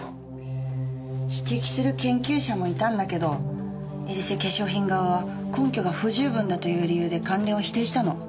指摘する研究者もいたんだけどエリセ化粧品側は根拠が不十分だという理由で関連を否定したの。